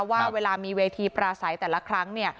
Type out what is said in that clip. ว่าเวลามีเวทีปราศัยแต่ละครั้ง